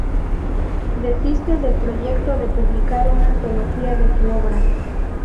Desiste del proyecto de publicar una antología de su obra.